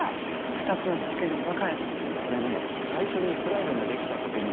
これね最初にイスラエルができた時に。